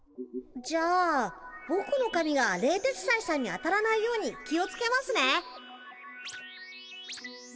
じゃあぼくのかみが冷徹斎さんに当たらないように気をつけますね。